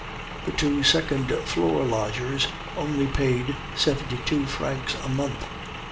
The two second floor lodgers only paid seventy two francs a month.